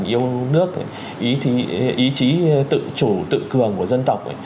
thần yêu nước ý chí tự chủ tự cường của dân tộc